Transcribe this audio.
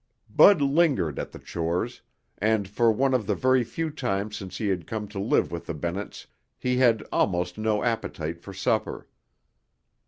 Bud lingered at the chores, and for one of the very few times since he had come to live with the Bennetts, he had almost no appetite for supper.